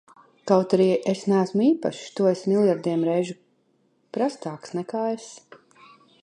Kaut arī es neesmu īpašs, tu esi miljardiem reižu prastāks nekā es!